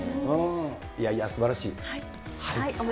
いやいや、すばらしい。